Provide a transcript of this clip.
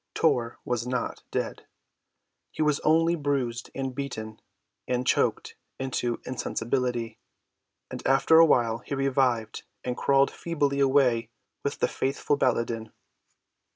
Tor was not dead. He was only bruised and beaten and choked into insensibility, and after awhile he revived and crawled feebly away with the faithful Baladan.